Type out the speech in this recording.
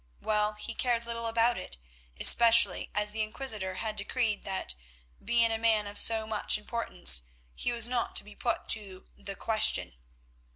Well, he cared little about it, especially as the Inquisitor had decreed that, being a man of so much importance, he was not to be put to the "question."